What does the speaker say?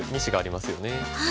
２子がありますよね。